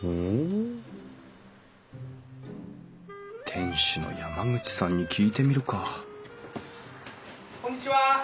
店主の山口さんに聞いてみるか・こんにちは！